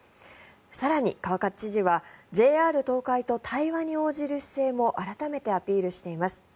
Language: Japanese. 更に、川勝知事はＪＲ東海と対話に応じる姿勢も改めてアピールしています。